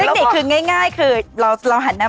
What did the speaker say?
ติคือง่ายคือเราหันหน้า